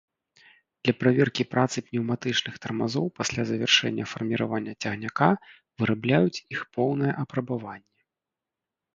Для праверкі працы пнеўматычных тармазоў пасля завяршэння фарміравання цягніка вырабляюць іх поўнае апрабаванне.